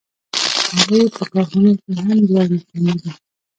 هغوی په کارخانو کې هم لوړ مقام لري